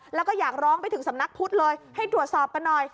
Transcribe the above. แล้วก็อยากร้องไปถึงสำนักพุทธเลยให้ตรวจสอบกันหน่อย